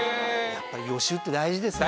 やっぱり予習って大事ですね。